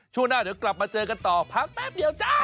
ช่วงหน้าเดี๋ยวกลับมาเจอกันต่อพักแป๊บเดียวจ้า